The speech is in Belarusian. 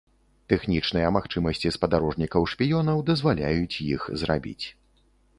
Тэхнічныя магчымасці спадарожнікаў-шпіёнаў дазваляюць іх зрабіць.